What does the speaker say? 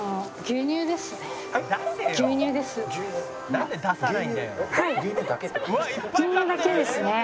牛乳だけですね。